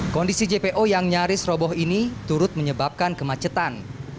kondisi jpo yang nyaris roboh ini turut menyebabkan kemacetan